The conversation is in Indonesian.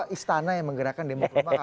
ada istana yang menggerakkan demo ke rumah